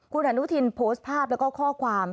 คุณอนุทินโพสต์ภาพแล้วก็ข้อความ